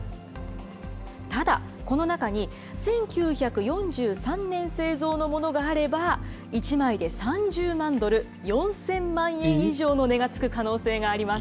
ただ、この中に１９４３年製造のものがあれば、１枚で３０万ドル、４０００万円以上の値が付く可能性があります。